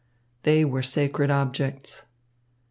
They were sacred objects.